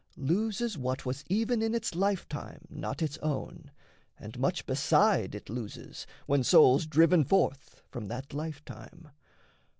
loses what Was even in its life time not its own; And much beside it loses, when soul's driven Forth from that life time.